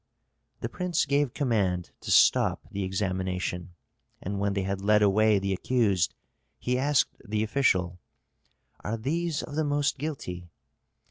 The prince gave command to stop the examination, and when they had led away the accused, he asked the official, "Are these of the most guilty?"